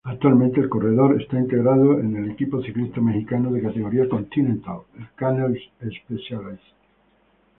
Actualmente el corredor es integrante del equipo ciclista mexicano de categoría Continental el Canel's-Specialized.